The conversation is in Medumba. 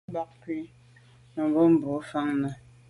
O ba kwa’ mènmebwô fan nà.